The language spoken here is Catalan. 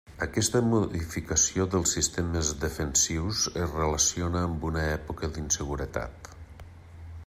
Aquesta modificació dels sistemes defensius es relaciona amb una època d'inseguretat.